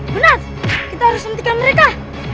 benar kita harus hentikan mereka